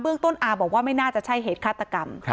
เรื่องต้นอาบอกว่าไม่น่าจะใช่เหตุฆาตกรรม